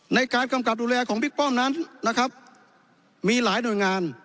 ในการกำกับดูแลของบิ๊กป้อมนั้นนะครับมีหลายหน่วยงาน